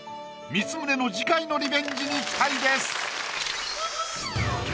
光宗の次回のリベンジに期待です。